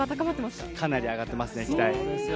かなり上がってますね、期待。